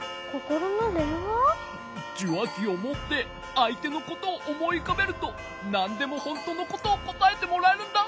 じゅわきをもってあいてのことをおもいうかべるとなんでもほんとのことをこたえてもらえるんだ。